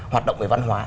hoạt động về văn hóa